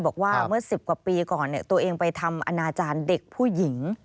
บอกว่าเมื่อ๑๐กว่าปีก่อนตัวเองไปทำอนาจารย์เด็กผู้หญิง